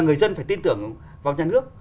người dân phải tin tưởng vào nhà nước